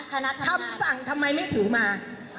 คำสั่งทำไมไม่ถือมา